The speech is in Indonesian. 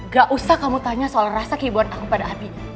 gak usah kamu tanya soal rasa kehibuan aku pada abi